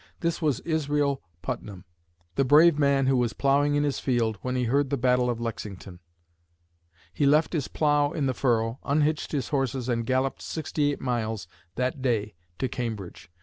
This was Israel Putnam, the brave man who was plowing in his field when he heard of the Battle of Lexington. He left his plow in the furrow, unhitched his horses and galloped sixty eight miles that day to Cambridge!